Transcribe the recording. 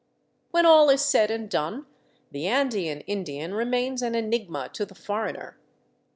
When all is said and done the Andean Indian remains an enigma to the foreigner.